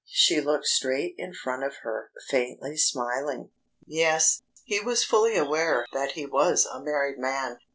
She looked straight in front of her, faintly smiling.... Yes, he was fully aware that he was a married man.